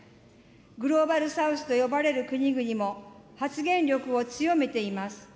グローバル・サウスと呼ばれる国々も発言力を強めています。